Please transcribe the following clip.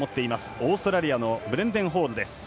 オーストラリアのブレンデン・ホールです。